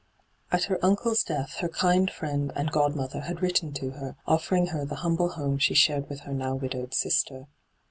At her uncle's death her kind friend and godmother had written to her, offering her the humble home she shared with her now widowed sister.